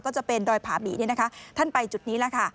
ก็จะเป็นดอยผ่ามีท่านไปจุดนี้แล้ว